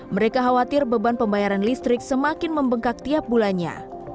mereka khawatir beban pembayaran listrik semakin membengkak tiap bulannya